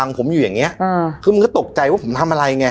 ผมอยู่อย่างเงี้อ่าคือมันก็ตกใจว่าผมทำอะไรไง